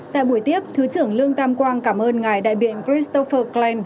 tại buổi tiếp thứ trưởng lương tam quang cảm ơn ngài đại biện christopher cland